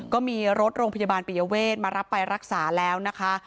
ก็มีรถโรงพยาบาลปิยเวทมารับไปรักษาแล้วนะคะ